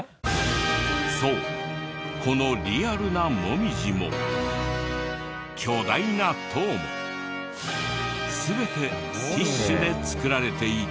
そうこのリアルなモミジも巨大な塔も全てティッシュで作られていた。